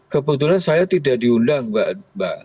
kebetulan saya tidak diundang mbak